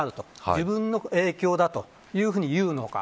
自分の影響だというふうに言うのか。